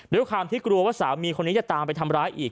ด้วยความที่กลัวว่าสามีคนนี้จะตามไปทำร้ายอีก